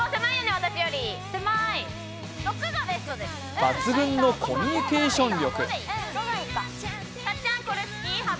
抜群のコミュニケーション力。